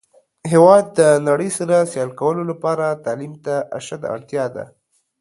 هیواد د نړۍ سره سیال کولو لپاره تعلیم ته اشده اړتیا ده.